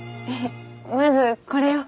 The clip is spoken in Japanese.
まずこれを。